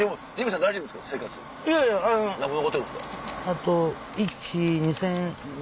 あと１２０００円。